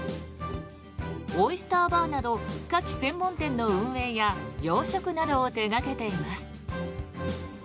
オイスターバーなどカキ専門店の運営や養殖などを手掛けています。